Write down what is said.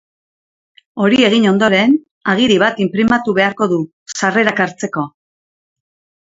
Hori egin ondoren, agiri bat inprimatu beharko du, sarrerak hartzeko.